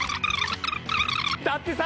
だってさ。